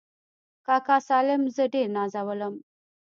کاکا سالم زه ډېر نازولم.